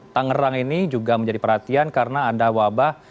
tangerang ini juga menjadi perhatian karena ada wabah